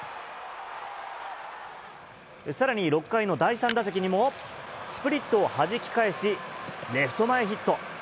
さらに６回の第３打席にも、スプリットをはじき返し、レフト前ヒット。